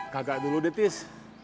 kagak dulu detis